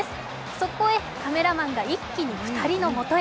そこへカメラマンが一気に２人の元へ。